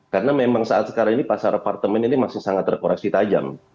karena memang saat sekarang ini pasar apartemen ini masih sangat rekorasi tajam